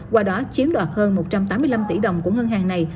qua đó chiếm đoạt hơn một trăm tám mươi năm tỷ đồng của ngân hàng này